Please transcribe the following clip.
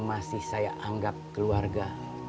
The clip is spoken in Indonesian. masih saya anggap keluarga